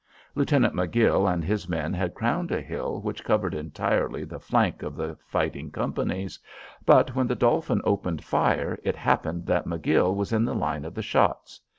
Lieutenant Magill and his men had crowned a hill which covered entirely the flank of the fighting companies, but when the Dolphin opened fire, it happened that Magill was in the line of the shots.